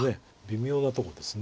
微妙なとこです。